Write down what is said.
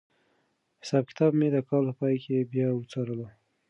حساب کتاب مې د کال په پای کې بیا وڅارلو.